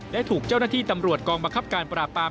และถูกเจ้าหน้าที่ตำรวจกองบังคับการปราบปราม